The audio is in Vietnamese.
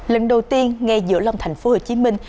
lần đầu tiên ngay giữa lòng thành phố hồ chí minh